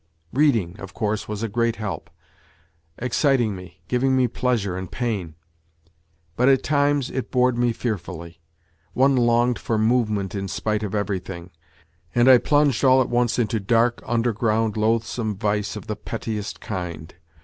Reading, of course, was a great help exciting me, giving me pleasure and pain. But at times it bored me fearfully. One longed for movement in spite of everything, and I plunged all at once into dark, underground, loathsome vice of the pettiest kind.